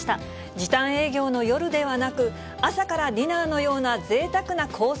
時短営業の夜ではなく、朝からディナーのようなぜいたくなコース